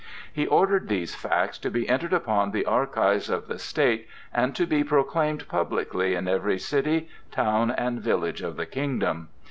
He ordered these facts to be entered upon the archives of the state and to be proclaimed publicly in every city, town, and village of the kingdom.